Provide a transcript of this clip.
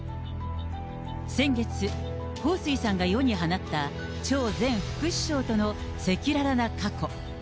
先月、彭帥さんが世に放った、張前副首相との赤裸々な過去。